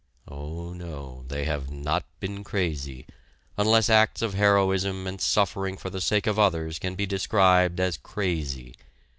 Oh, no, they have not been crazy, unless acts of heroism and suffering for the sake of others can be described as crazy!